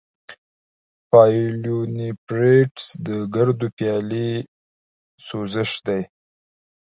د پايلونیفریټس د ګردو پیالې سوزش دی.